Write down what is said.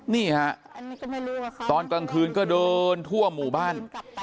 นี่ฮะตอนกลางคืนก็เดินทั่วหมู่บ้าน